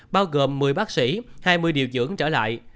bao gồm một mươi bác sĩ hai mươi điều dưỡng trở lại